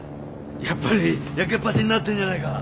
やっぱりやけっぱちになってんじゃないか。